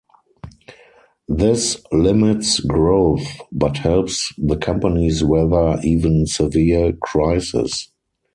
This limits growth but helps the companies weather even severe crises.